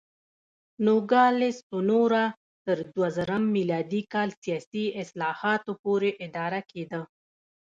نوګالس سونورا تر دوه زره م کال سیاسي اصلاحاتو پورې اداره کېده.